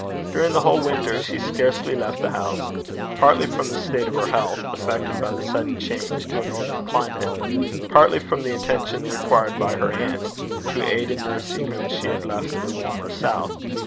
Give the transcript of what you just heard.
During the whole winter she scarcely left the house, partly from the state of her health, affected by the sudden change to a northern climate, partly from the attention required by her aunt, to aid in nursing whom she had left the warmer south.